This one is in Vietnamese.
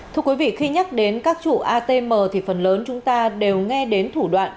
thưa quý vị khi nhắc đến các chủ atm thì phần lớn chúng ta đều nghe đến thủ đoạn